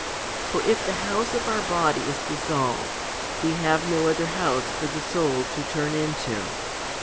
For if the house of our body is dissolved, we have no other house for the soul to turn into.